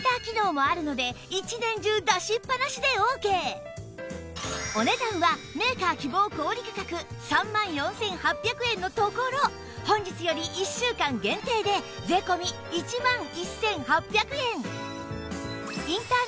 さらにお値段はメーカー希望小売価格３万４８００円のところ本日より１週間限定で税込１万１８００円